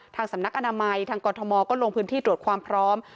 สำนักอนามัยทางกรทมก็ลงพื้นที่ตรวจความพร้อม